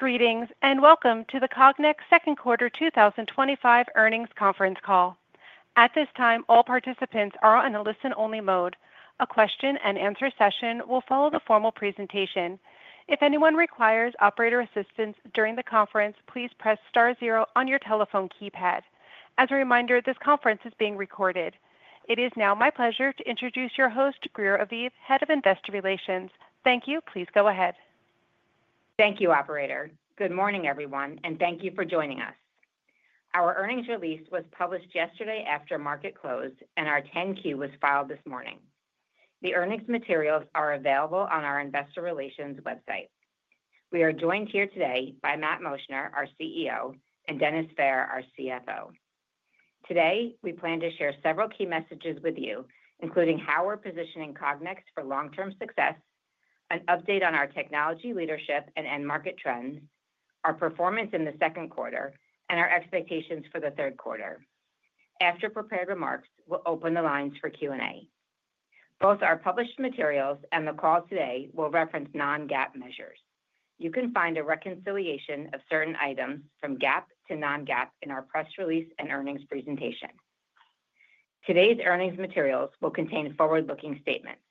Greetings and welcome to the Cognex Corporation second quarter 2025 earnings conference call. At this time, all participants are in a listen-only mode. A question and answer session will follow the formal presentation. If anyone requires operator assistance during the conference, please press star zero on your telephone keypad. As a reminder, this conference is being recorded. It is now my pleasure to introduce your host, Greer Aviv, Head of Investor Relations. Thank you. Please go ahead. Thank you, operator. Good morning everyone and thank you for joining us. Our earnings release was published yesterday after market closed and our 10-Q was filed this morning. The earnings materials are available on our investor relations website. We are joined here today by Matt Moschner, our CEO, and Dennis Fehr, our CFO. Today we plan to share several key messages with you, including how we're positioning Cognex for long-term success, an update on our technology leadership and end market trends, our performance in the second quarter, and our expectations for the third quarter. After prepared remarks, we'll open the lines for Q&A. Both our published materials and the call today will reference non-GAAP measures. You can find a reconciliation of certain items from GAAP to non-GAAP in our press release and earnings presentation. Today's earnings materials will contain forward-looking statements,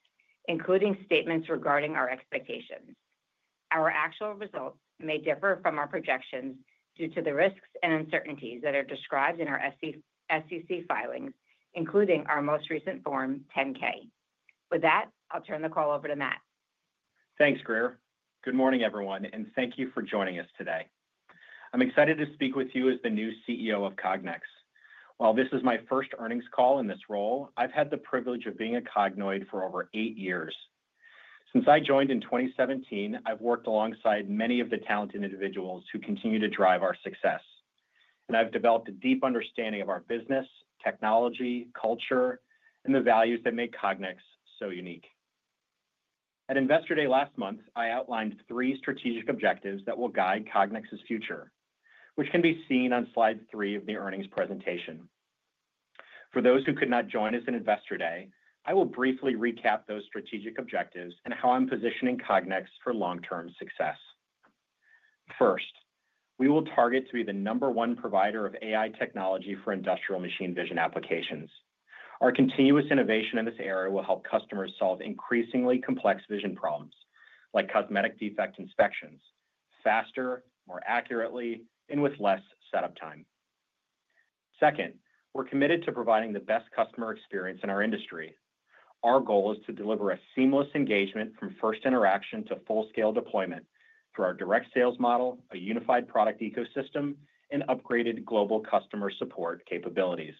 including statements regarding our expectations. Our actual results may differ from our projections due to the risks and uncertainties that are described in our SEC filings, including our most recent Form 10-K. With that, I'll turn the call over to Matt. Thanks, Greer. Good morning everyone and thank you for joining us today. I'm excited to speak with you as the new CEO of Cognex. While this is my first earnings call in this role, I've had the privilege of being a Cognoid for over eight years. Since I joined in 2017, I've worked alongside many of the talented individuals who continue to drive our success and I've developed a deep understanding of our business, technology, culture, and the values that make Cognex so unique. At Investor Day last month, I outlined three strategic objectives that will guide Cognex's future, which can be seen on slide 3 of the earnings presentation. For those who could not join us at Investor Day, I will briefly recap those strategic objectives and how I'm positioning Cognex for long-term success. First, we will target to be the number one provider of AI technology for industrial machine vision applications. Our continuous innovation in this area will help customers solve increasingly complex vision problems like cosmetic defect inspections, faster, more accurately, and with less setup time. Second, we're committed to providing the best customer experience in our industry. Our goal is to deliver a seamless engagement from first interaction to full-scale deployment through our direct sales model, a unified product ecosystem, and upgraded global customer support capabilities.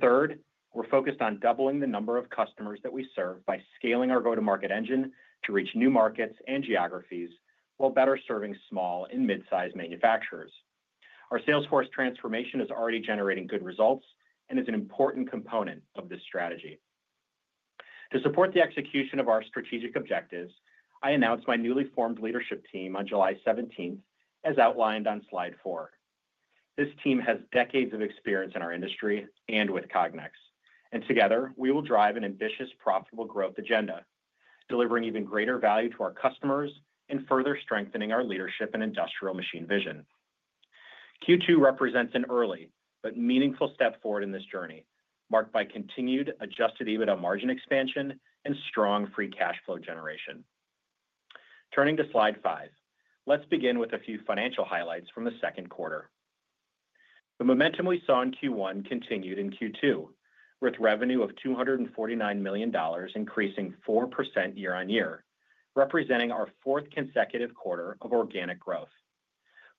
Third, we're focused on doubling the number of customers that we serve by scaling our go-to-market engine to reach new markets and geographies while better serving small and mid-sized manufacturers. Our salesforce transformation is already generating good results and is an important component of this strategy. To support the execution of our strategic objectives, I announced my newly formed leadership team on July 17. As outlined on slide 4, this team has decades of experience in our industry and with Cognex, and together we will drive an ambitious, profitable growth agenda, delivering even greater value to our customers and further strengthening our leadership in industrial machine vision. Q2 represents an early but meaningful step forward in this journey, marked by continued adjusted EBITDA margin expansion and strong free cash flow generation. Turning to slide 5, let's begin with a few financial highlights from the second quarter. The momentum we saw in Q1 continued in Q2 with revenue of $249 million, increasing 4% year-on-year, representing our fourth consecutive quarter of organic growth.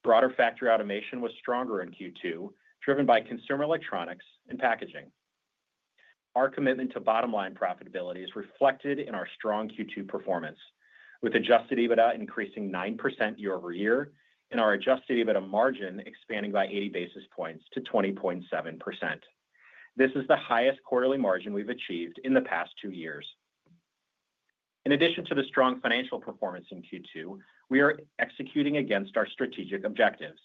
Broader factory automation was stronger in Q2, driven by consumer electronics and packaging. Our commitment to bottom line profitability is reflected in our strong Q2 performance, with adjusted EBITDA increasing 9% year-over-year and our adjusted EBITDA margin expanding by 80 basis points to 20.7%. This is the highest quarterly margin we've achieved in the past two years. In addition to the strong financial performance in Q2, we are executing against our strategic objectives.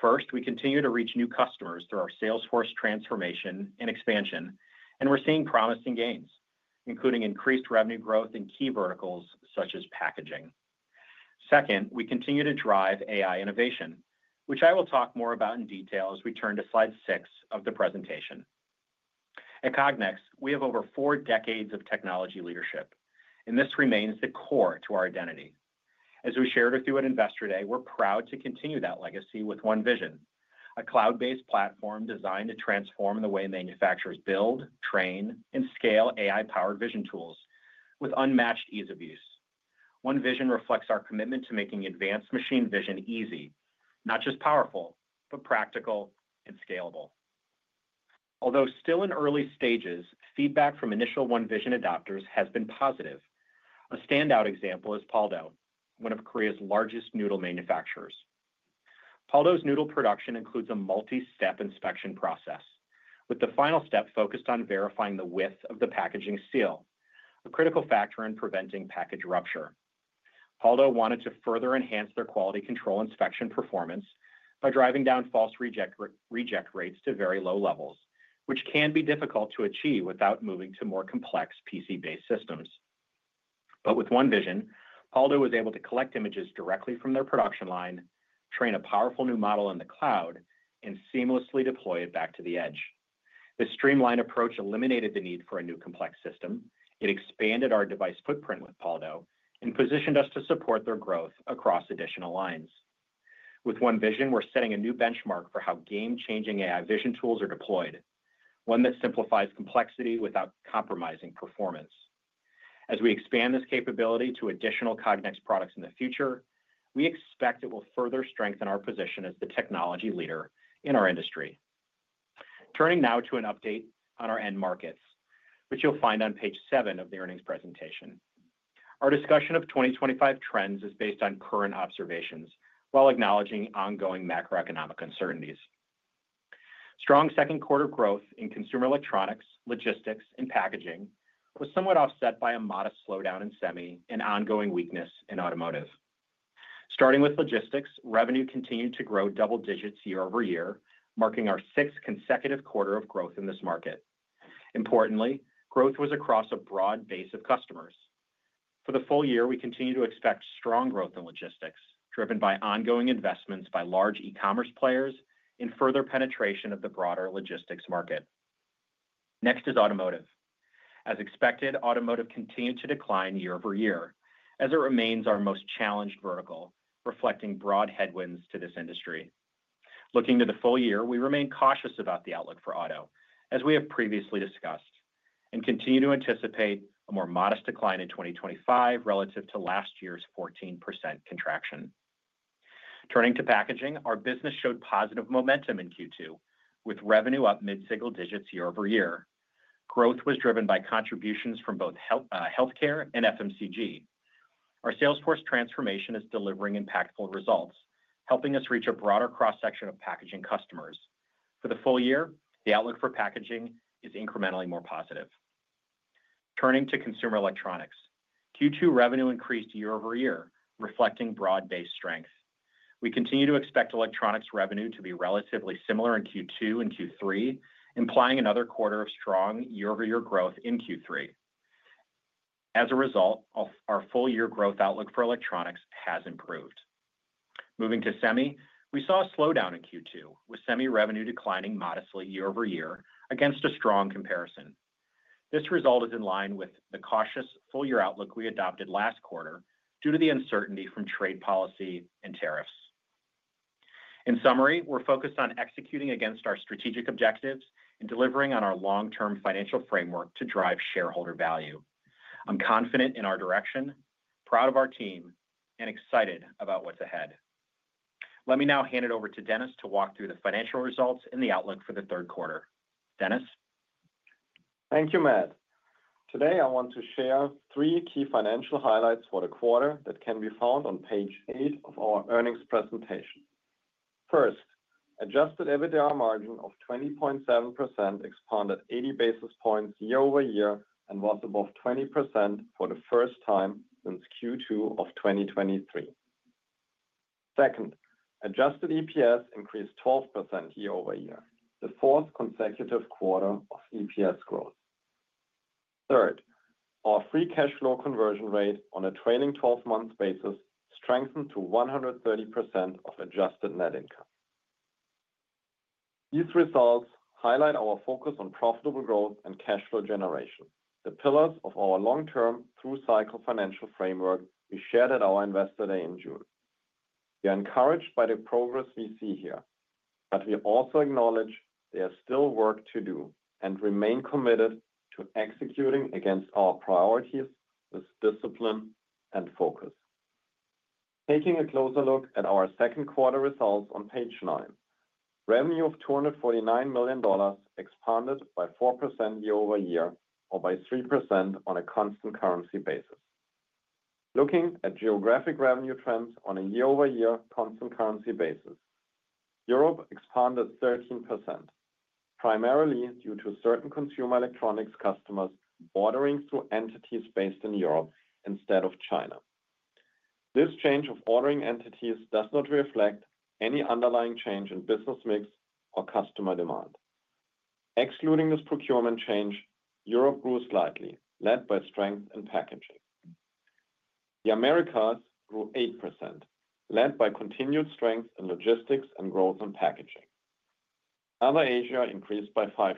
First, we continue to reach new customers through our salesforce transformation and expansion, and we're seeing promising gains, including increased revenue growth in key verticals such as packaging. Second, we continue to drive AI innovation, which I will talk more about in detail as we turn to slide 6 of the presentation at Cognex. We have over four decades of technology leadership, and this remains the core to our identity. As we shared with you at Investor Day, we're proud to continue that legacy with One Vision, a cloud-based platform designed to transform the way manufacturers build, train, and scale AI-powered vision tools with unmatched ease of use. One Vision reflects our commitment to making advanced machine vision easy, not just powerful, but practical and scalable. Although still in early stages, feedback from initial One Vision adopters has been positive. A standout example is Paldo, one of Korea's largest noodle manufacturers. Paldo's noodle production includes a multi-step inspection process, with the final step focused on verifying the width of the packaging seal, a critical factor in preventing package rupture. Paldo wanted to further enhance their quality control inspection performance by driving down false reject rates to very low levels, which can be difficult to achieve without moving to more complex PC-based systems. With One Vision, Paldo was able to collect images directly from their production line, train a powerful new model in the cloud, and seamlessly deploy it back to the edge. This streamlined approach eliminated the need for a new complex system. It expanded our device footprint with Paldo and positioned us to support their growth across additional lines. With One Vision, we're setting a new benchmark for how game-changing AI vision tools are deployed, one that simplifies complexity without compromising performance. As we expand this capability to additional Cognex products in the future, we expect it will further strengthen our position as the technology leader in our industry. Turning now to an update on our end markets, which you'll find on page 7 of the earnings presentation, our discussion of 2025 trends is based on current observations while acknowledging ongoing macro-economic uncertainties. Strong second quarter growth in consumer electronics, logistics, and packaging was somewhat offset by a modest slowdown in semi and ongoing weakness in automotive. Starting with logistics, revenue continued to grow double-digits year-over-year, marking our sixth consecutive quarter of growth in this market. Importantly, growth was across a broad base of customers. For the full year, we continue to expect strong growth in logistics driven by ongoing investments by large e-commerce players in further penetration of the broader logistics market. Next is automotive. As expected, automotive continued to decline year-over-year as it remains our most challenged vertical, reflecting broad headwinds to this industry. Looking to the full year, we remain cautious about the outlook for auto as we have previously discussed and continue to anticipate a more modest decline in 2025 relative to last year's 14% contraction. Turning to packaging, our business showed positive momentum in Q2 with revenue up mid single-digits year-over-year. Growth was driven by contributions from both healthcare and FMCG. Our salesforce transformation is delivering impactful results, helping us reach a broader cross section of packaging customers. For the full year, the outlook for packaging is incrementally more positive. Turning to consumer electronics, Q2 revenue increased year-over-year, reflecting broad based strength. We continue to expect electronics revenue to be relatively similar in Q2 and Q3, implying another quarter of strong year-over-year growth in Q3. As a result, our full year growth outlook for electronics has improved. Moving to semi, we saw a slowdown in Q2 with semi revenue declining modestly year-over-year against a strong comparison. This result is in line with the cautious full year outlook we adopted last quarter due to the uncertainty from trade policy and tariffs. In summary, we're focused on executing against our strategic objectives and delivering on our long term financial framework to drive shareholder value. I'm confident in our direction, proud of our team, and excited about what's ahead. Let me now hand it over to Dennis to walk through the financial results and the outlook for the third quarter. Dennis thank you Matt. Today I want to share three key financial highlights for the quarter that can be found on page 8 of our earnings presentation. First, adjusted EBITDA margin of 20.7% expanded 80 basis points year-over-year and was above 20% for the first time since Q2 of 2023. Second, adjusted EPS increased 12% year-over-year, the fourth consecutive quarter of EPS growth. Third, our free cash flow conversion rate on a trailing 12 month basis strengthened to 130% of adjusted net income. These results highlight our focus on profitable growth and cash flow generation. The pillars of our long term through cycle financial framework we shared at our Investor Day in June. We are encouraged by the progress we see here, but we also acknowledge there is still work to do and remain committed to executing against our priorities with discipline and focus. Taking a closer look at our second quarter results on page 9, revenue of $249 million expanded by 4% year-over-year or by 3% on a constant currency basis. Looking at geographic revenue trends on a year-over-year constant currency basis, Europe expanded 13% primarily due to certain consumer electronics customers ordering through entities based in Europe instead of China. This change of ordering entities does not reflect any underlying change in business mix or customer demand. Excluding this procurement change, Europe grew slightly, led by strength in packaging. The Americas grew 8% led by continued strength in logistics and growth in packaging. Other Asia increased by 5%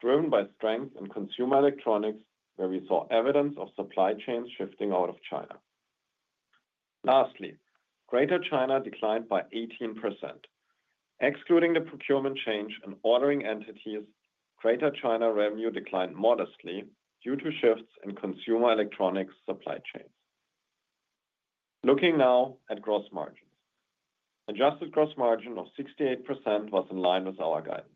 driven by strength in consumer electronics where we saw evidence of supply chains shifting out of China. Lastly, Greater China declined by 18%. Excluding the procurement change and ordering entities, Greater China revenue declined modestly due to shifts in consumer electronics supply chains. Looking now at gross margins, adjusted gross margin of 68% was in line with our guidance.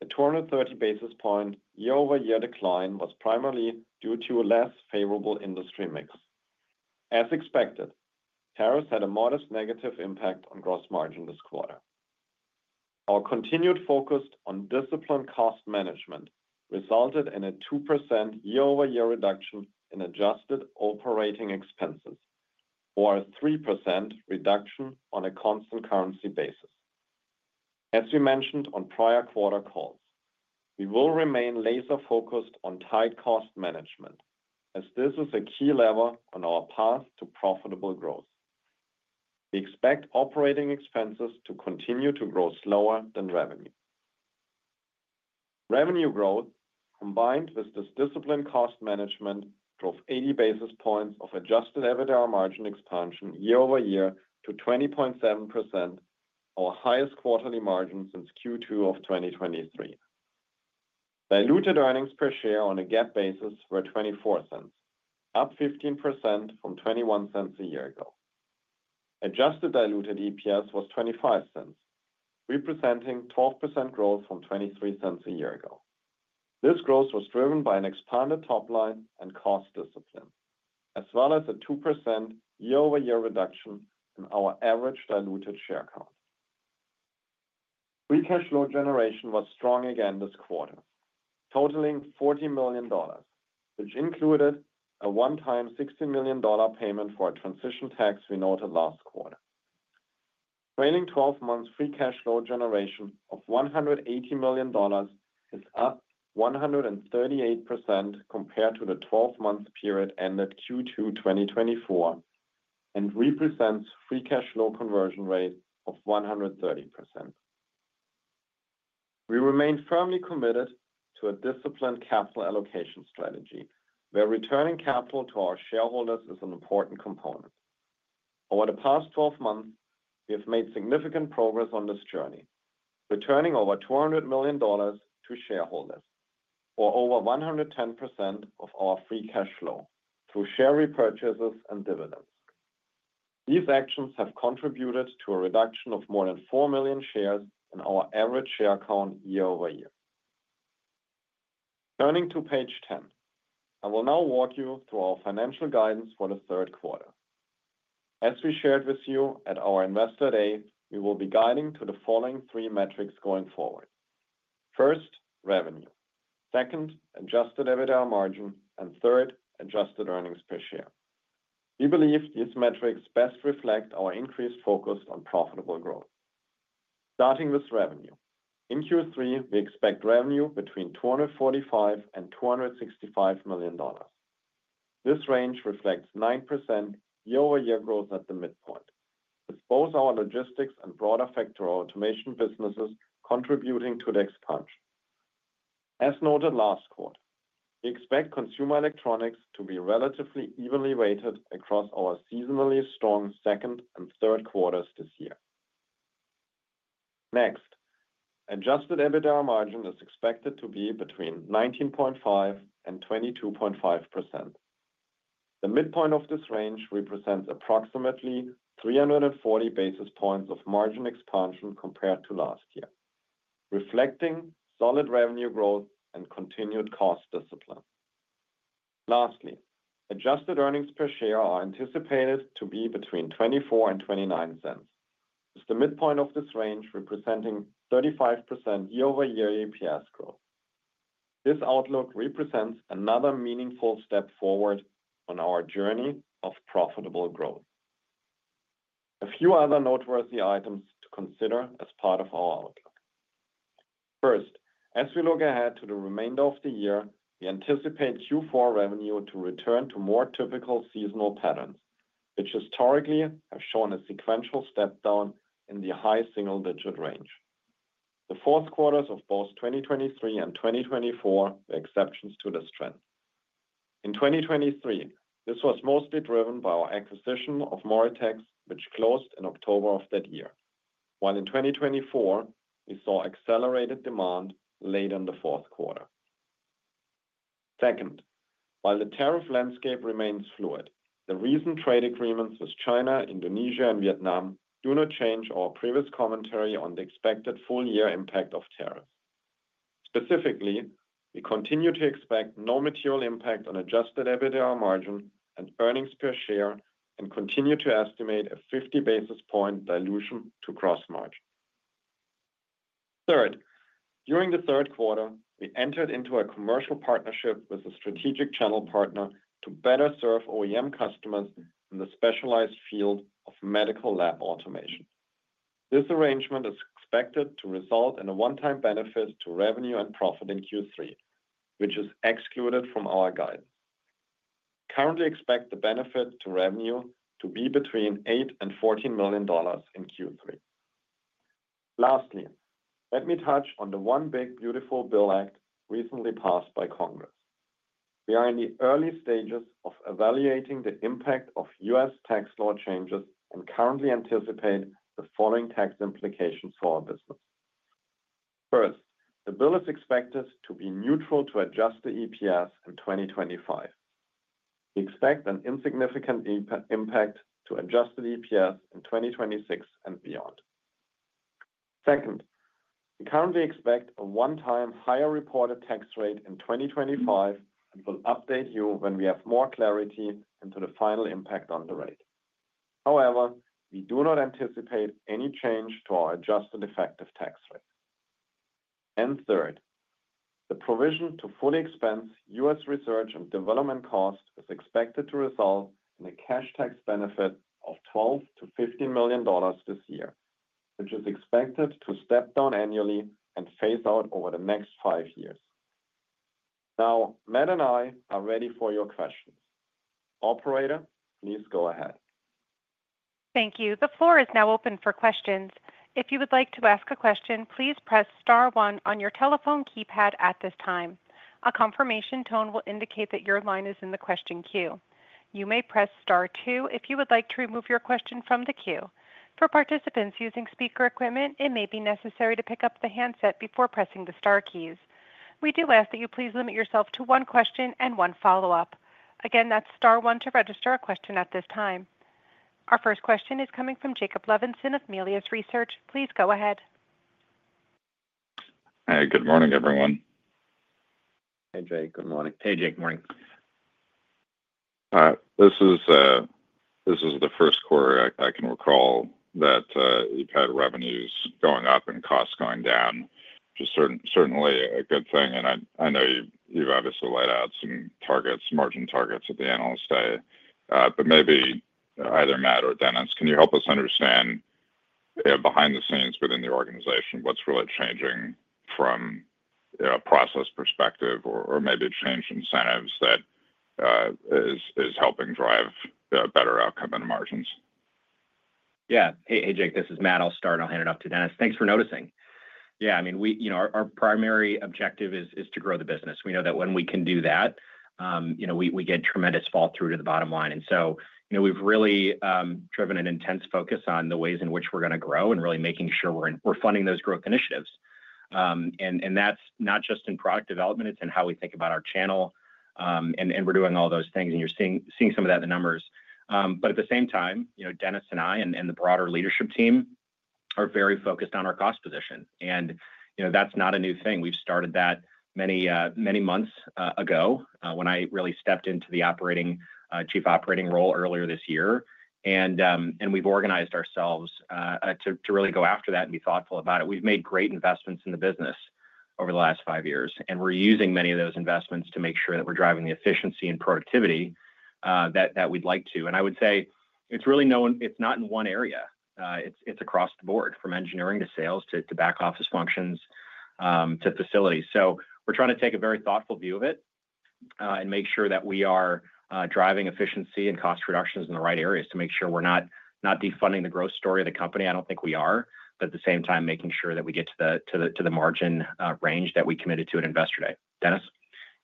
The 230 basis point year-over-year decline was primarily due to a less favorable industry mix. As expected, tariffs had a modest negative impact on gross margin this quarter. Our continued focus on disciplined cost management resulted in a 2% year-over-year reduction in adjusted operating expenses or a 3% reduction on a constant currency basis. As we mentioned on prior quarter calls, we will remain laser focused on tight cost management as this is a key lever on our path to profitable growth. We expect operating expenses to continue to grow slower than revenue. Revenue growth combined with this disciplined cost management drove 80 basis points of adjusted EBITDA margin expansion year-over-year to 20.7%, our highest quarterly margin since Q2 of 2023. Diluted earnings per share on a GAAP basis were $0.24, up 15% from $0.21 a year ago. Adjusted diluted EPS was $0.25, representing 12% growth from $0.23 a year ago. This growth was driven by an expanded top line and cost discipline as well as a 2% year-over-year reduction in our average diluted share count. Free cash flow generation was strong again this quarter, totaling $40 million, which included a one-time $16 million payment for a transition tax. We noted last quarter trailing 12 months free cash flow generation of $180 million is up 138% compared to the 12 month period ended Q2 2024 and represents free cash flow conversion rate of 130%. We remain firmly committed to a disciplined capital allocation strategy where returning capital to our shareholders is an important component. Over the past 12 months, we have made significant progress on this journey, returning over $200 million to shareholders or over 110% of our free cash flow through share repurchases and dividends. These actions have contributed to a reduction of more than 4 million shares in our average share count year-over-year. Turning to page 10, I will now walk you through our financial guidance for the third quarter. As we shared with you at our Investor Day, we will be guiding to the following three metrics going forward. First, revenue; second, adjusted EBITDA margin; and third, adjusted earnings per share. We believe these metrics best reflect our increased focus on profitable growth. Starting with revenue in Q3, we expect revenue between $245 million and $265 million. This range reflects 9% year-over-year growth at the midpoint, with both our logistics and broader factory automation businesses contributing to the expansion. As noted last quarter, we expect consumer electronics to be relatively evenly weighted across our seasonally strong second and third quarters this year. Next, adjusted EBITDA margin is expected to be between 19.5% and 22.5%. The midpoint of this range represents approximately 340 basis points of margin expansion compared to last year, reflecting solid revenue growth and continued cost discipline. Lastly, adjusted earnings per share are anticipated to be between $0.24 and $0.29, with the midpoint of this range representing 35% year-over-year EPS growth. This outlook represents another meaningful step forward on our journey of profitable growth. A few other noteworthy items to consider as part of our outlook. First, as we look ahead to the remainder of the year, we anticipate Q4 revenue to return to more typical seasonal patterns, which historically have shown a sequential step down in the high single-digit range. The fourth quarters of both 2023 and 2024 were exceptions to this trend. In 2023, this was mostly driven by our acquisition of Moratex, which closed in October of that year, while in 2024 we saw accelerated demand late in the fourth quarter. Second, while the tariff landscape remains fluid, the recent trade agreements with China, Indonesia, and Vietnam do not change our previous commentary on the expected full year impact of tariffs. Specifically, we continue to expect no material impact on adjusted EBITDA margin and earnings per share and continue to estimate a 50 basis point dilution to gross margin. Third, during the third quarter we entered into a commercial partnership with a Strategic Channel Partner to better serve OEM customers in the specialized field of medical lab automation. This arrangement is expected to result in a one-time benefit to revenue and profit in Q3, which is excluded from our guidance. Currently, we expect the benefit to revenue to be between $8 million and $14 million in Q3. Lastly, let me touch on the One Big Beautiful Bill Act recently passed by Congress. We are in the early stages of evaluating the impact of U.S. tax law changes and currently anticipate the following tax implications for our business. First, the bill is expected to be neutral to adjusted EPS in 2025. We expect an insignificant impact to adjusted EPS in 2026 and beyond. Second, we currently expect a one-time higher reported tax rate in 2025 and will update you when we have more clarity into the final impact on the rate. However, we do not anticipate any change to our adjusted effective tax rate. Third, the provision to fully expense U.S. research and development cost is expected to result in a cash tax benefit of $12 million-$15 million this year, which is expected to step down annually and phase out over the next five years. Now Matt and I are ready for your questions. Operator, please go ahead. Thank you. The floor is now open for questions. If you would like to ask a question, please press star one on your telephone keypad. At this time, a confirmation tone will indicate that your line is in the question queue. You may press star two if you would like to remove your question from the queue. For participants using speaker equipment, it may be necessary to pick up the handset before pressing the star keys. We do ask that you please limit yourself to one question and one follow-up. Again, that's star one to register a question at this time. Our first question is coming from Jake Levinson of Melius Research. Please go ahead. Hey, good morning, everyone. Hey, Jake, good morning. Hey, Jake, good morning. This is the first quarter I can recall that you've had revenues going up. Costs going down certainly a good thing. I know you've obviously laid out some targets, margin targets at the analyst day. Maybe either Matt or Dennis, can you help us understand behind the scenes within the organization, what's really changing from a process perspective or maybe change incentives that is helping drive better outcome and margins? Yeah. Hey, Jake, this is Matt. I'll start. I'll hand it off to Dennis. Thanks for noticing. Yeah, I mean, our primary objective is to grow the business. We know that when we can do that, we get tremendous fall through to the bottom line. We've really driven an intense focus on the ways in which we're going to grow and really making sure we're funding those growth initiatives. That's not just in product development, it's in how we think about our channel. We're doing all those things. You're seeing some of that in the numbers. At the same time, Dennis and I and the broader leadership team are very focused on our cost position. That's not a new thing. We started that many, many months ago when I really stepped into the Chief Operating role earlier this year. We've organized ourselves to really go after that and be thoughtful about it. We've made great investments in the business over the last five years and we're using many of those investments to make sure that we're driving the efficiency and productivity that we'd like to. I would say it's really no. 1, it's not in one area. It's across the board from engineering to sales to back office functions to facilities. We're trying to take a very thoughtful view of it and make sure that we are driving efficiency and cost reductions in the right areas to make sure we're not defunding the growth story of the company. I don't think we are, but at the same time making sure that we get to the margin range that we committed to at Investor Day. Dennis?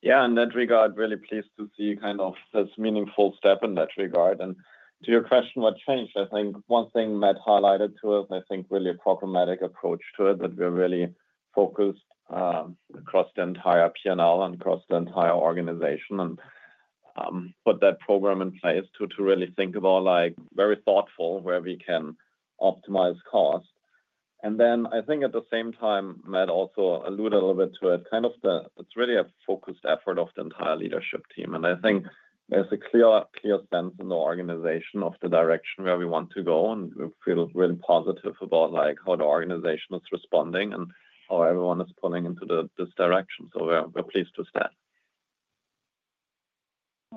Yeah, in that regard, really pleased to see kind of this meaningful step in that regard. To your question, what changed? I think one thing Matt highlighted to us, I think really a programmatic approach to it, that we're really focused across the entire P&L and across the entire organization and put that program in place to really think about, like, very thoughtful where we can optimize cost. I think at the same time, Matt also alluded a little bit to it. It's really a focused effort of the entire leadership team. I think there's a clear sense in the organization of the direction where we want to go. We feel really positive about how the organization is responding and how everyone is pulling into this direction. We're pleased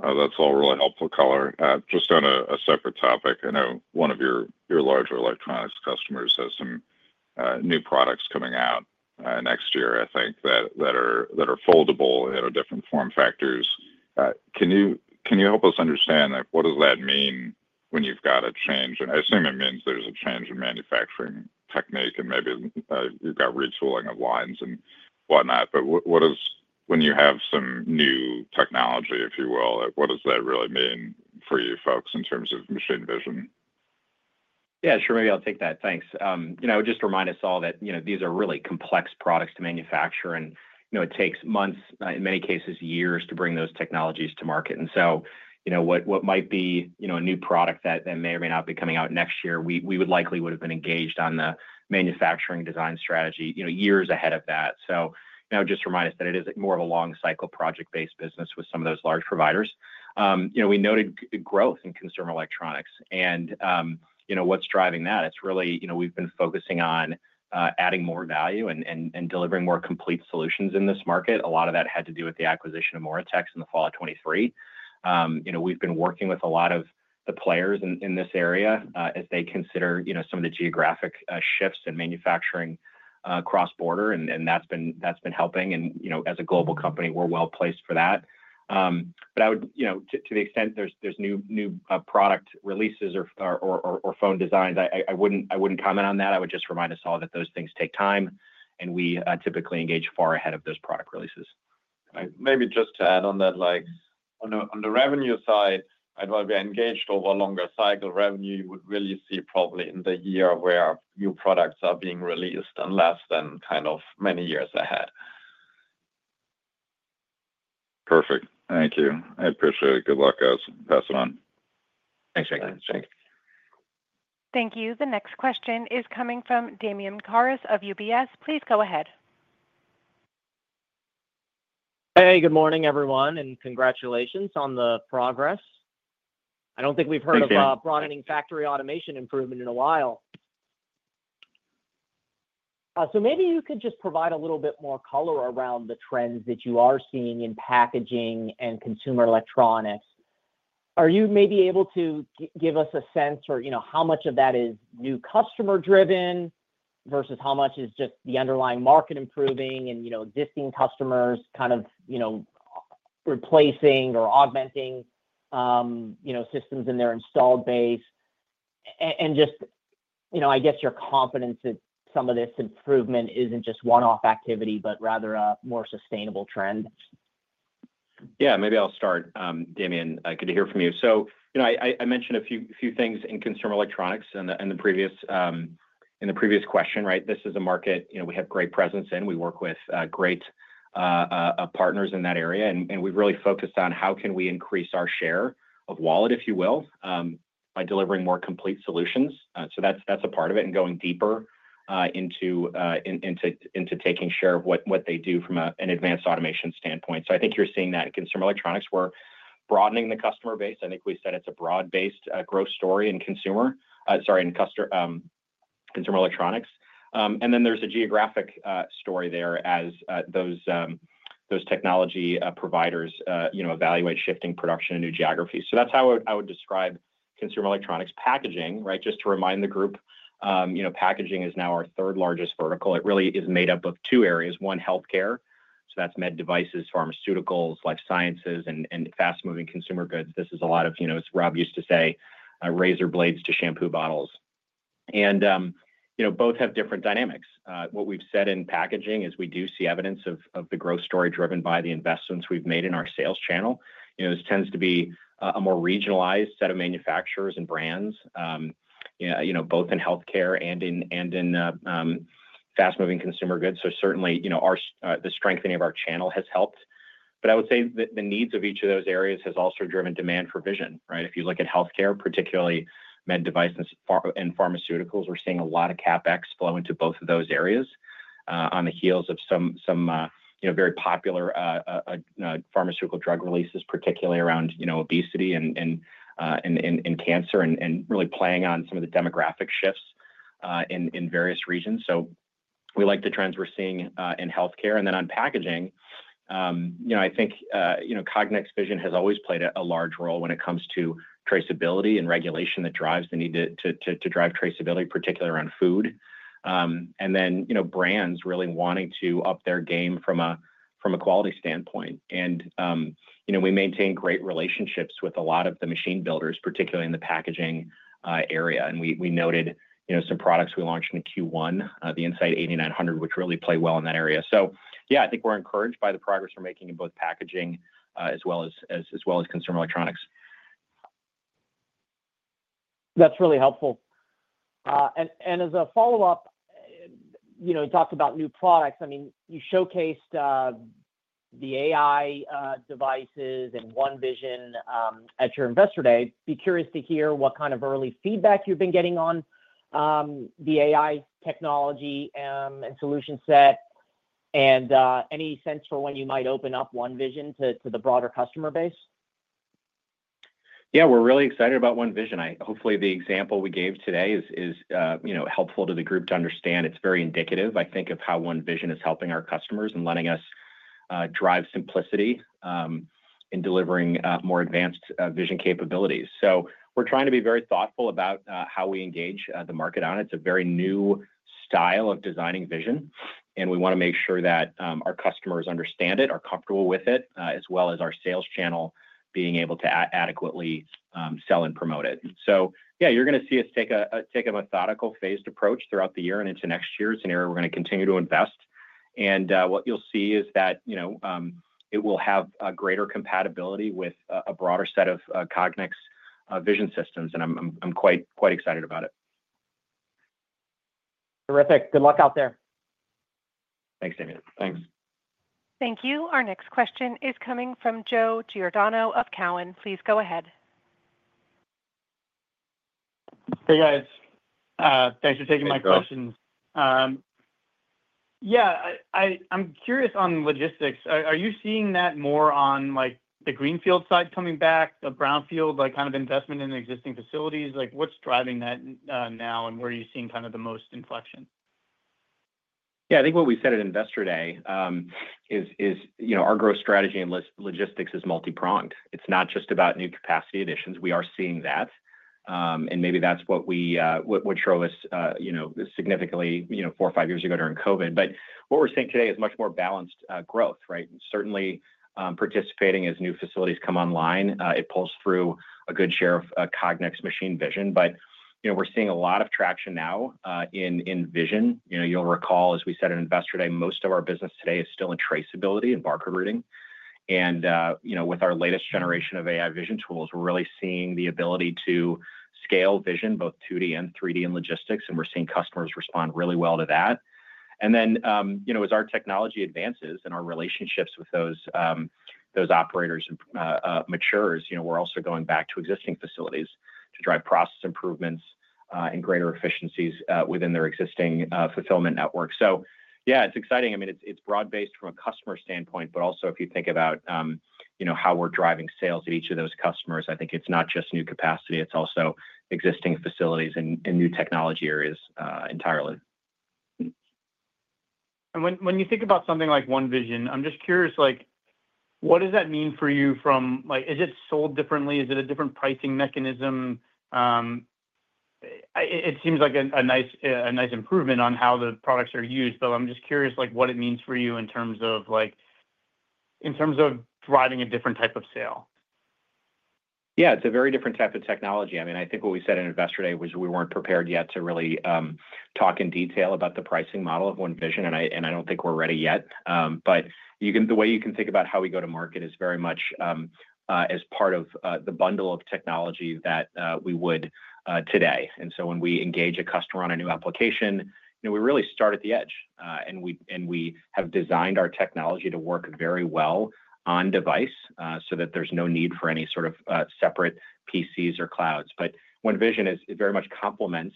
to start. That's all really helpful color. Just on a separate topic, I know one of your larger electronics customers has some new products coming out next year, I think that are foldable, different form factors. Can you help us understand like what does that mean when you've got a change? I assume it means there's a change in manufacturing technique and maybe you've. Got retooling of lines and whatnot. When you have some new technology, if you will, what does that really mean for you folks in terms of machine vision? Yeah, sure, maybe I'll take that. Thanks. Just remind us all that these are really complex products to manufacture and it takes months, in many cases years, to bring those technologies to market. What might be a new product that may or may not be coming out next year, we likely would have been engaged on the manufacturing design strategy years ahead of that. Just remind us that it is more of a long cycle project-based business with some of those large providers. We noted growth in consumer electronics and what's driving that is we've been focusing on adding more value and delivering more complete solutions in this market. A lot of that had to do with the acquisition of Moratex in the fall of 2023. We've been working with a lot of the players in this area as they consider some of the geographic shifts and manufacturing cross border and that's been helping. As a global company, we're well placed for that. To the extent there's new product releases or phone designs, I wouldn't comment on that. I would just remind us all that those things take time and we typically engage far ahead of those product releases. Maybe just to add on that, like on the revenue side while we're engaged over longer cycle revenue, you would really see probably in the year where new products are being released and less than kind of many years ahead. Perfect. Thank you. I appreciate it. Good luck guys. Pass it on. Thanks Jake. Thank you. The next question is coming from Damian Karas of UBS. Please go ahead. Hey, good morning everyone and congratulations on the progress. I don't think we've heard of broadening factory automation improvement in a while. Maybe you could just provide a little bit more color around the trends that you are seeing in packaging and consumer electronics. Are you maybe able to give us a sense or how much of that is new customer driven vs how much is just the underlying market improving and existing customers kind of replacing or augmenting systems in their installed base and your confidence that some of this improvement isn't just one off activity but rather a more sustainable trend? Yeah, maybe I'll start. Damian, good to hear from you. I mentioned a few things in consumer electronics in the previous question. This is a market we have great presence in, we work with great partners in that area and we've really focused on how can we increase our share of wallet, if you will, by delivering more complete solutions. That's a part of it. Going deeper into taking share of what they do from an advanced automation standpoint. I think you're seeing that in consumer electronics where broadening the customer base. I think we said it's a broad based growth story in consumer electronics. There's a geographic story there as those technology providers evaluate shifting production and new geographies. That's how I would describe consumer electronics. Packaging, just to remind the group, packaging is now our third largest vertical. It really is made up of two areas. One, healthcare. That's med devices, pharmaceuticals, life sciences and fast moving consumer goods. This is a lot of, as Rob used to say, razor blades to shampoo bottles and both have different dynamics. What we've said in packaging is we do see evidence of the growth story driven by the investments we've made in our sales channel. This tends to be a more regionalized set of manufacturers and brands both in healthcare and in fast moving consumer goods. Certainly the strengthening of our channel has helped, but I would say that the needs of each of those areas has also driven demand for vision. If you look at healthcare, particularly med devices and pharmaceuticals, we're seeing a lot of CapEx flow into both of those areas on the heels of some very popular pharmaceutical drug releases, particularly around obesity and cancer. Really playing on some of the demographic shifts in various regions. We like the trends we're seeing in healthcare and then on packaging. I think Cognex Vision has always played a large role when it comes to traceability and regulation that drives the need to drive traceability, particularly around food and then brands really wanting to up their game from a quality standpoint. We maintain great relationships with a lot of the machine builders, particularly in the packaging area. We noted some products we launched in Q1, the In-Sight 8900, which really play well in that area. I think we're encouraged by the progress we're making in both packaging as well as consumer electronics. That's really helpful. As a follow up, it talks about new products. I mean you showcased the AI devices and One Vision at your Investor Day. I'd be curious to hear what kind of early feedback you've been getting on the AI technology and solution set and any sense for when you might open up One Vision to the broader customer base? We're really excited about One Vision. Hopefully the example we gave today is helpful to the group to understand. It's very indicative, I think, of how One Vision is helping our customers and letting us drive simplicity in delivering more advanced vision capabilities. We're trying to be very thoughtful about how we engage the market on it. It's a very new style of designing vision and we want to make sure that our customers understand it, are comfortable with it as well as our sales channel being able to adequately sell and promote it. You're going to see us take a methodical, phased approach throughout the year and into next year. It's an area we're going to continue to invest and what you'll see is that it will have greater compatibility with a broader set of Cognex Vision systems. I'm quite excited about it. Terrific. Good luck out there. Thanks Damian. Thanks. Thank you. Our next question is coming from Joe Giordano of Cowen. Please go ahead. Hey guys, thanks for taking my questions. I'm curious on logistics, are you seeing that more on the greenfield side coming back, the brownfield kind of investment in existing facilities? What's driving that now and where are you seeing the most inflection? I think what we said at Investor Day is our growth strategy in logistics is multi-pronged. It's not just about new capacity additions. We are seeing that, and maybe that's what showed us significantly four or five years ago during COVID. What we're seeing today is much more balanced growth, certainly participating as new facilities come online. It pulls through a good share of Cognex machine vision. We're seeing a lot of traction now in vision. You'll recall, as we said at Investor Day, most of our business today is still in traceability and barcode routing. With our latest generation of AI vision tools, we're really seeing the ability to scale vision, both 2D, 3D, and logistics. We're seeing customers respond really well to that. As our technology advances and our relationships with those operators mature, we're also going back to existing facilities to drive process improvements and greater efficiencies within their existing fulfillment network. It's exciting. It's broad-based from a customer standpoint, but also if you think about how we're driving sales at each of those customers, I think it's not just new capacity, it's also existing facilities and new technology areas entirely. When you think about something like One Vision, I'm just curious, what does that mean for you? Is it sold differently? Is it a different pricing mechanism? It seems like a nice improvement on how the products are used. I'm just curious what it means for you in terms of driving a different type of sale? It's a very different type of technology. I think what we said at Investor Day was we weren't prepared yet to really talk in detail about the pricing model of One Vision, and I don't think we're ready yet. The way you can think about how we go to market is very much as part of the bundle of technology that we would today. When we engage a customer on a new application, we really start at the edge. We have designed our technology to work very well on device so that there's no need for any sort of separate PCs or clouds. One Vision very much complements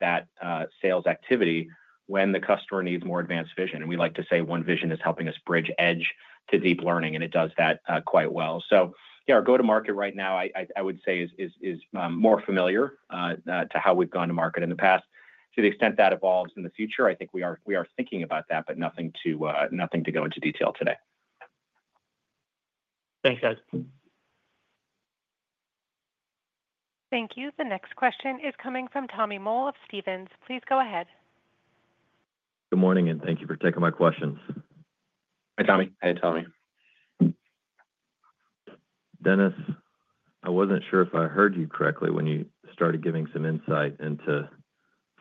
that sales activity when the customer needs more advanced vision. We like to say One Vision is helping us bridge edge to deep learning, and it does that quite well. Our go to market right now I would say is more familiar to how we've gone to market in the past. To the extent that evolves in the future, I think we are thinking about that, but nothing to go into detail today. Thanks, guys. Thank you. The next question is coming from Tommy Moll of Stephens. Please go ahead. Good morning and thank you for taking my questions. Hi Tommy. Hi Tommy. Dennis, I wasn't sure if I heard you correctly when you started giving some insight into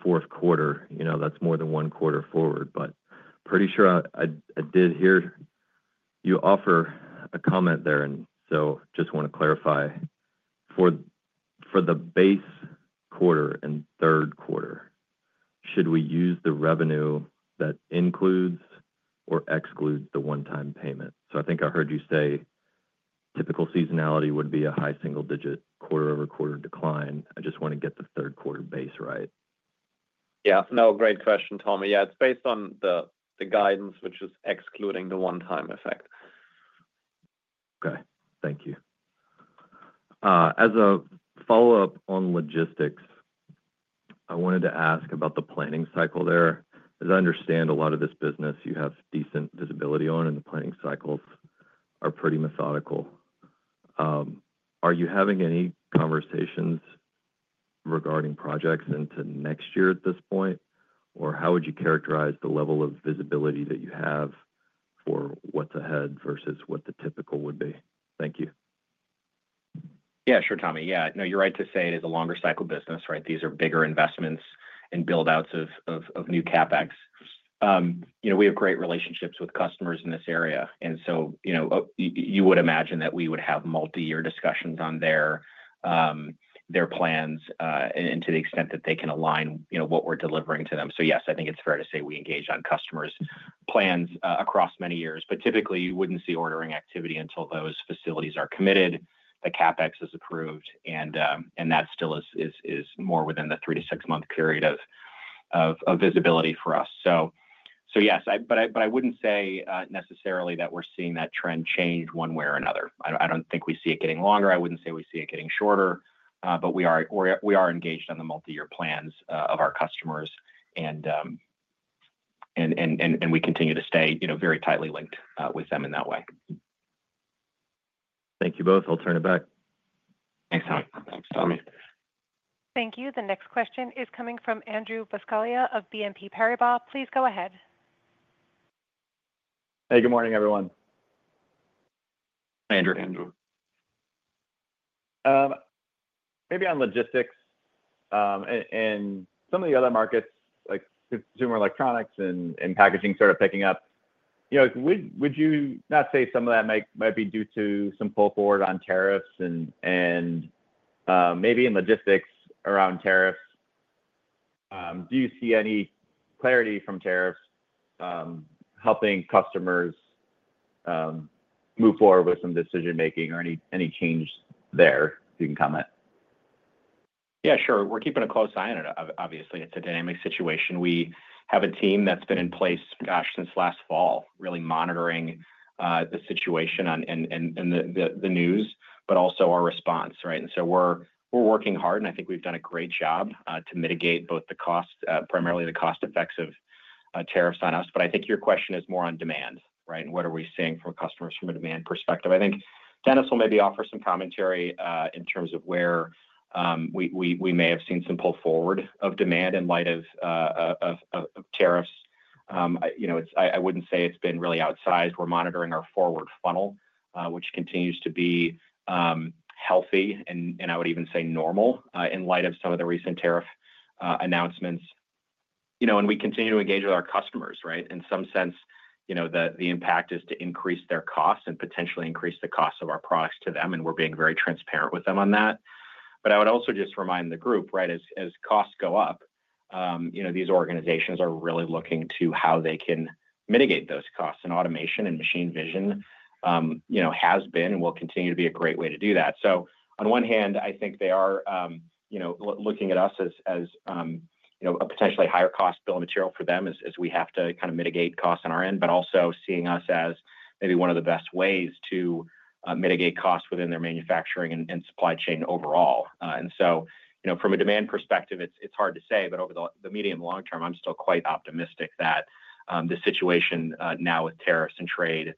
fourth quarter, you know that's more than one quarter forward, but pretty sure I did hear you offer a comment there. I just want to clarify for the base quarter and third quarter, should we use the revenue that includes or excludes the one-time payment? I think I heard you say typical seasonality would be a high single-digit quarter-over-quarter decline. I just want to get the third quarter base right? Yeah, great question, Tommy. It's based on the guidance, which is excluding the one-time effect. Okay, thank you. As a follow up on logistics, I wanted to ask about the planning cycle there. As I understand a lot of this business you have decent visibility on and the planning cycles are pretty methodical. Are you having any conversations regarding projects into next year at this point or how would you characterize the level of visibility that you have for what's ahead versus what the typical would be? Thank you. Yeah, sure Tommy. Yeah, no, you're right to say it is a longer cycle business. Right. These are bigger investments and build outs of new CapEx. We have great relationships with customers in this area and you would imagine that we would have multi-year discussions on their plans and to the extent that they can align, you know what we're delivering to them. Yes, I think it's fair to say we engage on customers' plans across many years but typically you wouldn't see ordering activity until those facilities are committed, the CapEx is approved and that still is more within the 3-6 month period of visibility for us. Yes, but I wouldn't say necessarily that we're seeing that trend change one way or another. I don't think we see it getting longer, I wouldn't say we see it getting shorter but we are engaged on the multi-year plans of our customers and we continue to stay very tightly linked with them in that way. Thank you both. I'll turn it back. Thanks Tom. Thanks Tommy. Thank you. The next question is coming from Andrew Buscaglia of BNP Paribas. Please go ahead. Hey, good morning everyone. Andrew. Andrew. Maybe on logistics and some of the other markets like consumer electronics and packaging sort of picking up, would you not say some of that might be due to some pull forward on tariffs and maybe in logistics around tariffs. Do you see any clarity from tariffs helping customers move forward with some decision making or any change there? You can comment? Yeah, sure. We're keeping a close eye on it. Obviously, it's a dynamic situation. We have a team that's been in place since last fall, really monitoring the situation and the news, but also our response. Right. We're working hard and I think we've done a great job to mitigate both the cost, primarily the cost effects of tariffs on us. I think your question is more on demand, right, and what are we seeing from customers from a demand perspective. I think Dennis will maybe offer some commentary in terms of where we may have seen some pull forward of demand in light of tariffs. I wouldn't say it's been really outsized. We're monitoring our forward funnel, which continues to be healthy and I would even say normal in light of some of the recent tariffs announcements, and we continue to engage with our customers. In some sense, the impact is to increase their costs and potentially increase the cost of our products to them. We're being very transparent with them on that. I would also just remind the group, as costs go up, these organizations are really looking to how they can mitigate those costs. Automation and machine vision has been and will continue to be a great way to do that. On one hand, I think they are looking at us as a potentially higher cost bill of material for them as we have to kind of mitigate costs on our end, but also seeing us as maybe one of the best ways to mitigate costs within their manufacturing and supply chain overall. From a demand perspective, it's hard to say, but over the medium long term, I'm still quite optimistic that the situation now with tariffs and trade is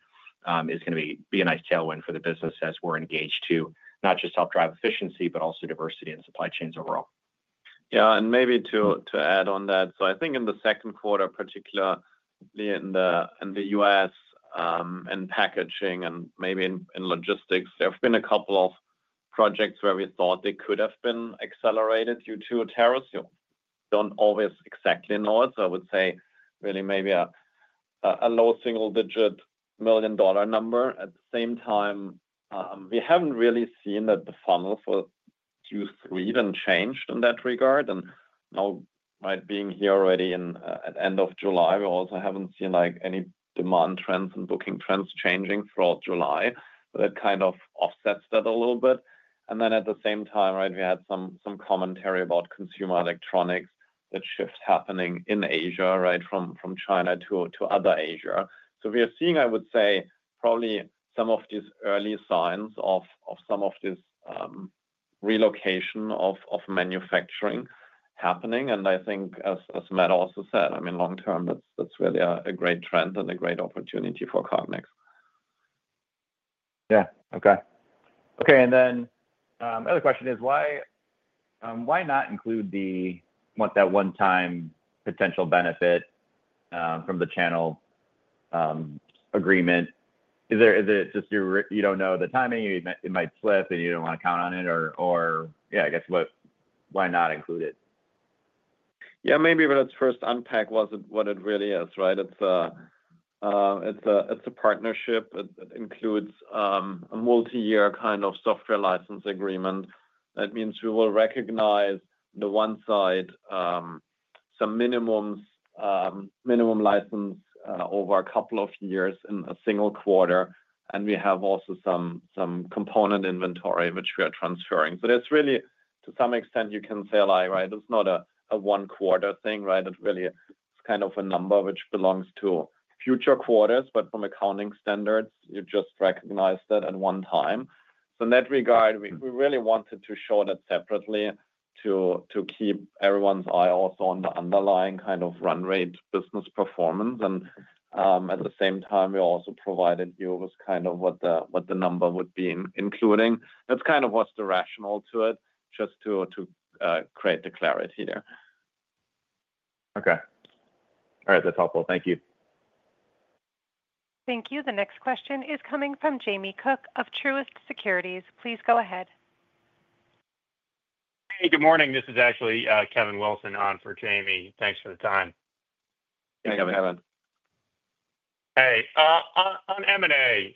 going to be a nice tailwind for the business as we're engaged to not just help drive efficiency, but also diversity in supply chains overall. Maybe to add on that, I think in the second quarter, particularly in the U.S. and packaging and maybe in logistics, there have been a couple of projects where we thought they could have been accelerated due to tariffs. You don't always exactly know it. I would say really maybe a low single-digit million dollar number. At the same time, we haven't really seen that the funnel for Q3 even changed in that regard. Now being here already at end of July, we also haven't seen any demand trends and booking trends changing throughout July, but it kind of offsets that a little bit. At the same time, we had some commentary about consumer electronics, that shift happening in Asia, right, from China to other Asia. We are seeing, I would say, probably some of these early signs of some of this relocation of manufacturing happening. I think, as Matt also said, I mean long term, that's really a great trend and a great opportunity for Cognex. Yeah. Okay. Okay. Why not include that one-time potential benefit from the channel agreement? Is it just you don't know the timing, it might slip and you don't want to count on it? I guess, why not include it? Yeah, maybe when it's first unpacked, what it really is, right, it's a partnership. It includes a multi-year kind of software license agreement. That means we will recognize on one side some minimums, minimum license over a couple of years in a single quarter, and we have also some component inventory which we are transferring. That's really, to some extent, you can say, right, it's not a one quarter thing. It really is kind of a number which belongs to future quarters, but from accounting standards you just recognize that at one time. In that regard, we really wanted to show that separately to keep everyone's eye also on the underlying kind of run rate business performance. At the same time, we also provided you with kind of what the number would be including. That's kind of what's the rationale to it, just to create the clarity there. Okay, all right, that's helpful. Thank you. Thank you. The next question is coming from Jamie Cook of Truist Securities. Please go ahead. Hey, good morning, this is actually Kevin Wilson on for Jamie. Thanks for the time. Kevin. Kevin, Hey. On M&A,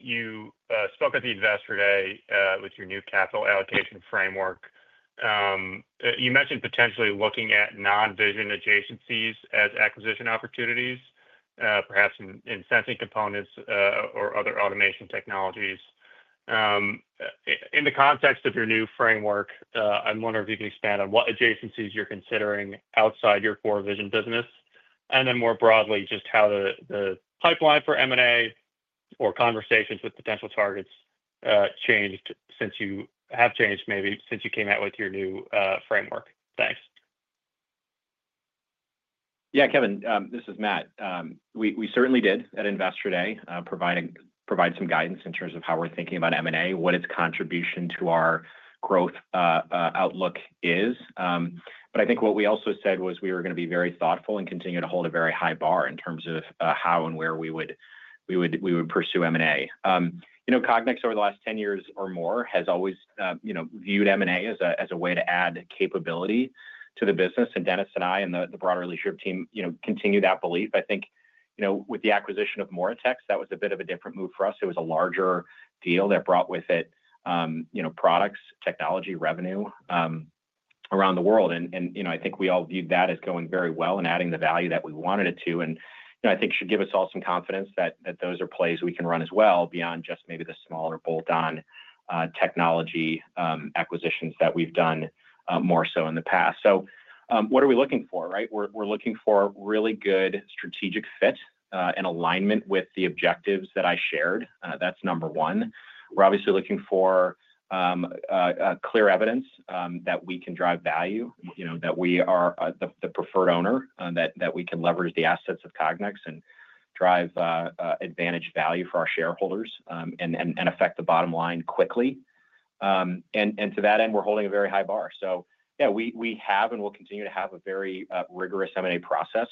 you spoke at the Investor Day with your new capital allocation framework. You mentioned potentially looking at non-vision adjacencies as acquisition opportunities, perhaps in sensing components or other automation technologies in the context of your new framework. I'm wondering if you can expand on what adjacencies you're considering outside your core vision business and then more broadly just how the pipeline for M&A or conversations with potential targets changed since you have changed maybe since you came out with your new framework. Thanks. Yeah, Kevin, this is Matt. We certainly did at Investor Day provide some guidance in terms of how we're thinking about M&A, what its contribution to our growth outlook is. I think what we also said was we were going to be very thoughtful and continue to hold a very high bar in terms of how and where we would pursue M&A. You know, Cognex over the last 10 years or more has always viewed M&A as a way to add capability to the business. Dennis and I and the broader Leadership team continue that belief. I think, you know, with the acquisition of Moratex, that was a bit of a different move for us. It was a larger deal that brought with it products, technology, revenue around the world. I think we all viewed that as going very well and adding the value that we wanted it to. I think it should give us all some confidence that those are plays we can run as well, beyond just maybe the smaller bolt-on technology acquisitions that we've done more so in the past. What are we looking for? Right, we're looking for really good strategic fit in alignment with the objectives that I shared. That's number one. We're obviously looking for clear evidence that we can drive value, that we are the preferred owner, that we can leverage the assets of Cognex and drive advantage value for our shareholders and affect the bottom line quickly. To that end we're holding a very high bar. We have and will continue to have a very rigorous M&A process.